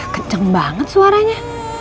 kenceng banget suaranya